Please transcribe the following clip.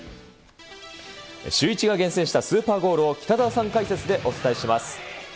シューイチが厳選したスーパーゴールを北澤さん解説でお伝えします。